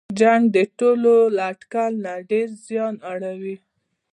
جنګ د ټولو له اټکل نه ډېر زیان اړوي.